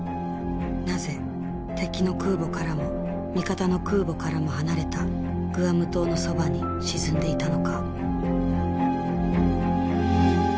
なぜ敵の空母からも味方の空母からも離れたグアム島のそばに沈んでいたのか。